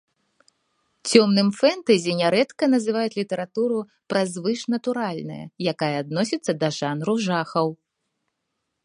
Цёмным фэнтэзі нярэдка называюць літаратуру пра звышнатуральнае, якая адносіцца да жанру жахаў.